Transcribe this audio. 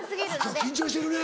今日緊張してるね。